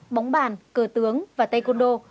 bóng bàn cờ tướng và tay côn đô